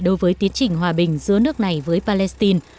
đối với tiến trình hòa bình giữa nước này với palestine